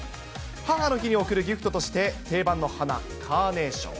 母の日の定番のギフトとして定番の花、カーネーション。